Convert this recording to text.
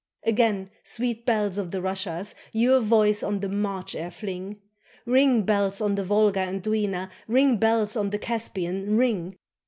Again, sweet bells of the Russias, Your voice on the March air fling! Ring, bells, on the Volga and Dwina, Ring, bells, on the Caspian, ring!